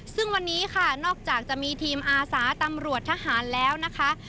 ซึ่งวันนี้ค่ะนอกจากจะมีทีมอาสาตำรวจทหารแล้วนะคะ